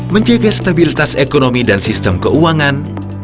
menjaga stabilitas ekonomi dan sistem keuangan